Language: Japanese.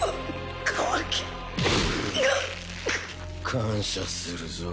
感謝するぞ。